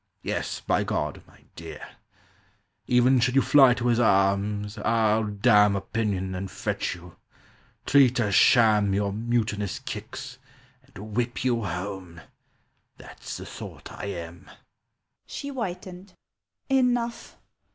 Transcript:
Yes, by God, my dear. "Even should you fly to his arms, I'll damn Opinion, and fetch you; treat as sham Your mutinous kicks, And whip you home. That's the sort I am!" She whitened. "Enough